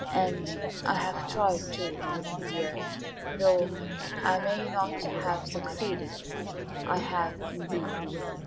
And I have tried to, dear, though I may not have succeeded I have, indeed."